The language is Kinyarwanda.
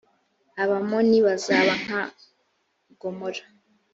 abamoni bazaba nka gomora